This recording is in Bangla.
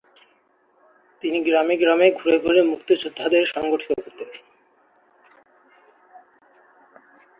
তিনি গ্রামে গ্রামে ঘুরে ঘুরে মুক্তিযোদ্ধাদের সংগঠিত করতেন।